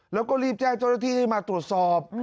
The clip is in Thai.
แล้วก็รีบแจ้งเจ้าหน้าที่ให้มาตรวจสอบ